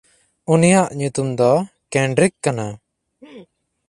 ᱩᱱᱤᱭᱟᱜ ᱧᱩᱛᱩᱢ ᱫᱚ ᱠᱮᱱᱰᱨᱭᱠ ᱠᱟᱱᱟ᱾